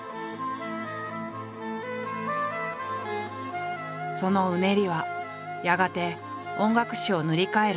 そのうねりはやがて音楽史を塗り替える潮流になった。